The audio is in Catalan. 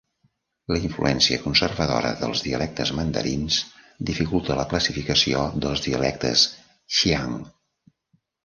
La influència conservadora dels dialectes mandarins dificultat la classificació dels dialectes Xiang.